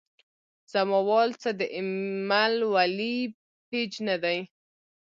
زما وال څۀ د اېمل ولي پېج نۀ دے